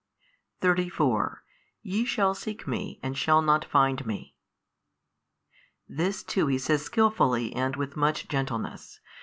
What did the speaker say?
34 Ye shall seek Me, and shall not find Me. This too He says skilfully and with much gentleness.